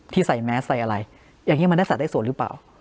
ที่ใส่แมสใส่อะไรอย่างนี้มันได้สัดได้ส่วนหรือเปล่า